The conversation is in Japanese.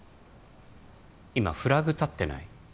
今フラグ立ってない？